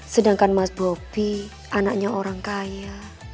sedangkan mas bobi anaknya orang kaya